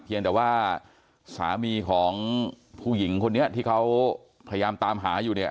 เพียงแต่ว่าสามีของผู้หญิงคนนี้ที่เขาพยายามตามหาอยู่เนี่ย